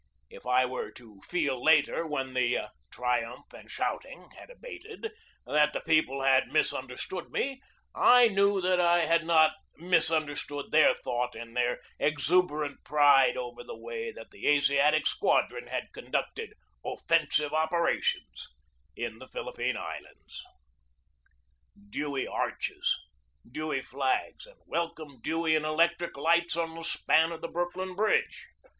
If I were to feel later, when the "triumph and shouting" had 2 9 o GEORGE DEWEY abated, that the people had misunderstood me, I knew that I had not misunderstood their thought in their exuberant pride over the way that the Asiatic Squadron had conducted "offensive operations" in the Philippine Islands. Dewey arches, Dewey flags, and "Welcome Dewey" in electric lights on the span of the Brook lyn Bridge!